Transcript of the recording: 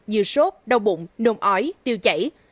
như sốt đau bụng nôn ói tiêu chảy